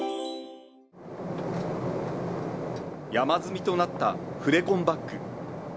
山積みとなったフレコンバッグ。